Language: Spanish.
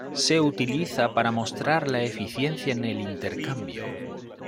Se utiliza para mostrar la eficiencia en el intercambio.